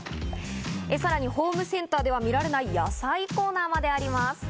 さらにホームセンターでは見られない野菜コーナーまであります。